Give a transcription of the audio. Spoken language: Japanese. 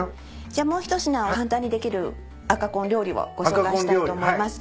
じゃあもう一品を簡単にできる赤こん料理をご紹介したいと思います。